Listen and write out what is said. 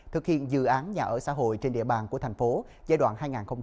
thực hiện dự án nhà ở xã hội trên địa bàn của thành phố giai đoạn hai nghìn một mươi sáu hai nghìn hai mươi